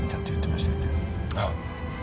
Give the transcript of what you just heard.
ああ。